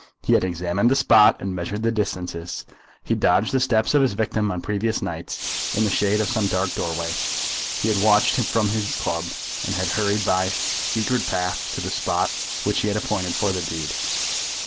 He had examined the spot and measured the distances. He had dogged the steps of his victim on previous nights. In the shade of some dark doorway he had watched him from his club, and had hurried by his secret path to the spot which he had appointed for the deed.